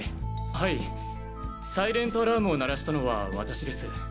はいサイレントアラームを鳴らしたのは私です。